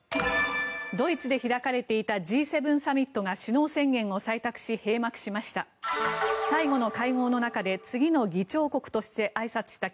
ドイツで開かれていたＧ７サミットが首脳宣言を採択し閉幕しました。